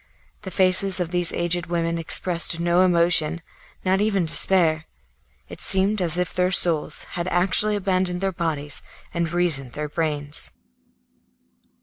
The faces of these aged women expressed no emotion, not even despair; it seemed as if their souls had actually abandoned their bodies and reason their brains.